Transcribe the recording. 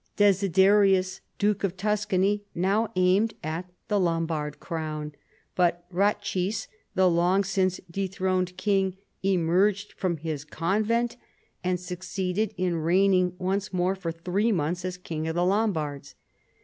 Desiderius, Duke of Tuscany, now aimed at the Lombard crown ; but Ratchis, the long since dethroned king emerged from his convent and succeeded in reigning once more for three months as King of the Lombards.